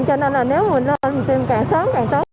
cho nên là nếu mình lên tiêm càng sớm càng tốt